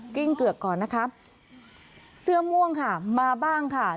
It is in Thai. กิ้งเกือกก่อนนะครับเสื้อม่วงค่ะมาบ้างค่ะ